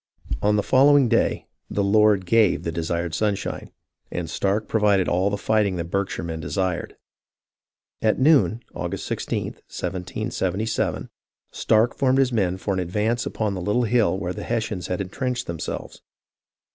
On the following day " the Lord gave the desired sun shine," and Stark provided all the fighting the Berkshire men desired. At noon (August i6, 1777) Stark formed his men for an advance upon the little hill where the Hes sians had entrenched themselves.